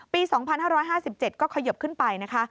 ปี๒๕๕๗ก็ขยิบขึ้นไปนะคะ